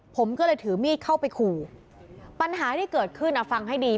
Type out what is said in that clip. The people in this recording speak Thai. ผมก็เลยถือมีดเข้าไปขู่ปัญหาที่เกิดขึ้นฟังให้ดี